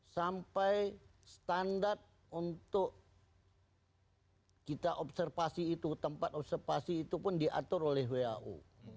sampai standar untuk kita observasi itu tempat observasi itu pun diatur oleh wau